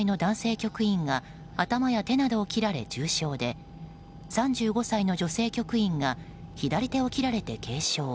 局員が頭や手などを切られ重傷で３５歳の女性局員が左手を切られて軽傷。